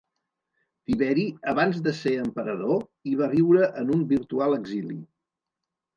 Tiberi, abans de ser emperador, hi va viure en un virtual exili.